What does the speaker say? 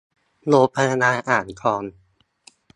โรงพยาบาลอ่างทอง